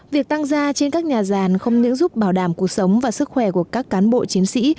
việc tăng ra trên các nhà giàn không những giúp bảo đảm cuộc sống và sức khỏe của các cán bộ chiến sĩ